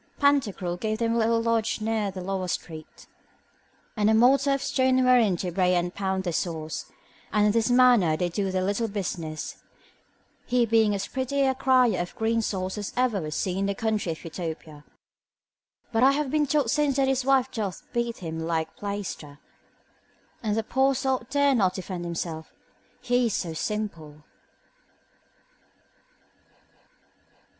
Pantagruel gave them a little lodge near the lower street and a mortar of stone wherein to bray and pound their sauce, and in this manner did they do their little business, he being as pretty a crier of green sauce as ever was seen in the country of Utopia. But I have been told since that his wife doth beat him like plaister, and the poor sot dare not defend himself, he is so simple.